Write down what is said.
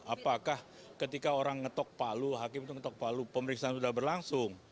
apakah ketika orang ngetok palu hakim itu ngetok palu pemeriksaan sudah berlangsung